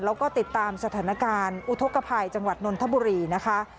แล้วก็ติดตามสถานการณ์อุทธกภัยจังหวัดนนทบุรีนะคะ